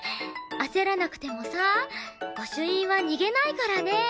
焦らなくてもさ御朱印は逃げないからね。